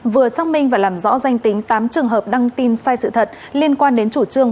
vừa xác minh và làm rõ danh tính tám trường hợp đăng tin sai sự thật liên quan đến chủ trương